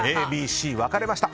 Ａ、Ｂ、Ｃ分かれました。